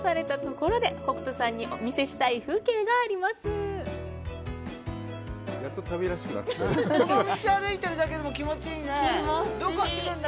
この道歩いてるだけでも気持ちいいねどこに行くんだ？